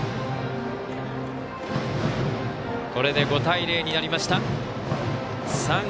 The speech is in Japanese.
これで５対０になりました。